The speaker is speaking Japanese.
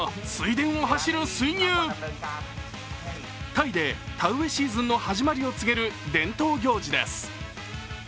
タイで田植えシーズンの始まりを告げる伝統行事です。